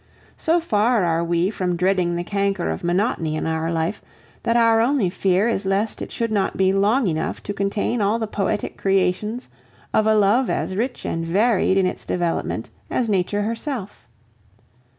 So far are we from dreading the canker of monotony in our life, that our only fear is lest it should not be long enough to contain all the poetic creations of a love as rich and varied in its development as Nature herself.